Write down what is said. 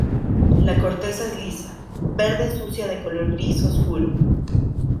La corteza es lisa, verde sucia de color gris oscuro.